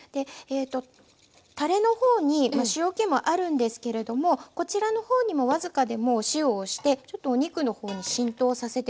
たれの方に塩気もあるんですけれどもこちらの方にも僅かでもお塩をしてちょっとお肉の方に浸透させて下さい。